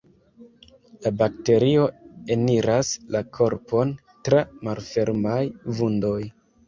La bakterio eniras la korpon tra malfermaj vundoj.